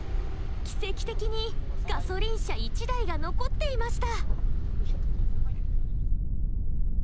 奇跡的にガソリン車１台が残っていました。